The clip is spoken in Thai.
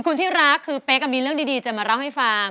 คุณที่รักคือเป๊กมีเรื่องดีจะมาเล่าให้ฟัง